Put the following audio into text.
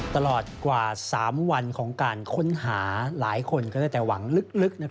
ตลอดกว่า๓วันของการค้นหาหลายคนก็ได้แต่หวังลึก